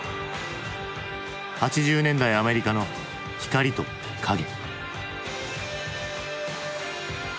８０年代アメリカの光と影。